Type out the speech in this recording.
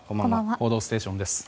「報道ステーション」です。